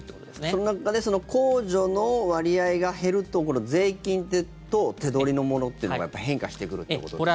その中でその控除の割合が減ると税金と手取りのものっていうのが変化してくるということですね。